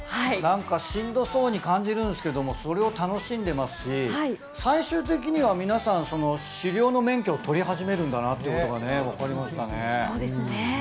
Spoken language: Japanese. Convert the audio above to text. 自給率１００％というのは、しんどそうに感じるんですけど、それを楽しんでますし、最終的には皆さん狩猟の免許を取り始めるんだなと分かりましたね。